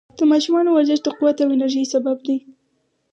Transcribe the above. د ماشومانو ورزش د قوت او انرژۍ سبب دی.